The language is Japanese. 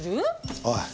おい。